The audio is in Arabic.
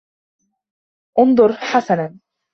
اُنْظُرْ حَسَنًا